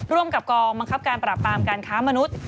ร่วมกับกองบังคับการปราบปรามการค้ามนุษย์